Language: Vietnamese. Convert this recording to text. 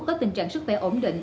có tình trạng sức khỏe ổn định